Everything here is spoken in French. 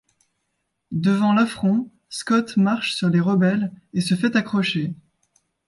Devant l'affront, Scott marche sur les rebelles et se fait accrocher.